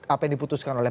apa yang diputuskan oleh